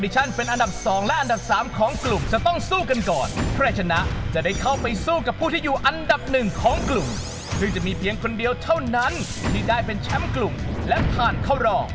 ซึ่งจะมีเพียงคนเดียวเท่านั้นที่ได้เป็นแชมป์กลุ่มและผ่านเข้ารอ